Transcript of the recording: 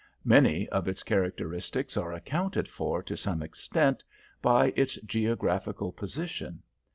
Many of its characteristics are accounted for to some extent by its geographical position.